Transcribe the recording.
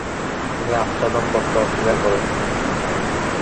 তিনি আচ্ছাদন পড়তে অস্বীকার করেন।